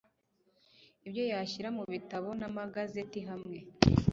ibyo yashyira mu bitabo n amagazeti hamwe